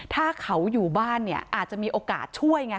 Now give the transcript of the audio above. ถ้าเขาอยู่บ้านเนี่ยอาจจะมีโอกาสช่วยไง